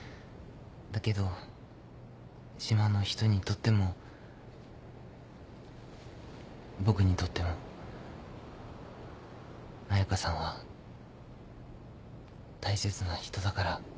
だけど島の人にとっても僕にとっても彩佳さんは大切な人だから。